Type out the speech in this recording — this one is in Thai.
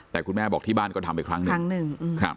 แต่คุณแม่บอกที่บ้านก็ทำไปครั้งหนึ่ง